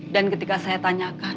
dan ketika saya tanyakan